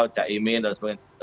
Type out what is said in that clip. cak imin dan sebagainya